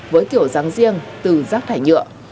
với kiểu dáng riêng từ rác thải nhựa